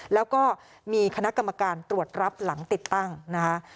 แล้วก็มีคณะกรรมการตรวจรับหลังติดตั้งนะคะ